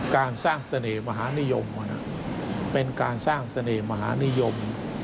การสร้างเสน่ห์มหานิยมเป็นการสร้างเสน่หมหานิยม